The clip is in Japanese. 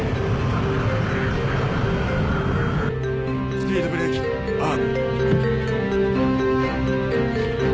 スピードブレーキアーム。